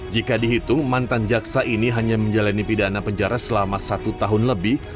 jika dihitung mantan jaksa ini hanya menjalani pidana penjara selama satu tahun lebih